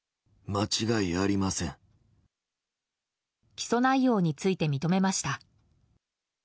起訴内容について認めました。